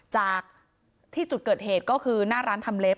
จากที่จุดเกิดเหตุก็คือหน้าร้านทำเล็บ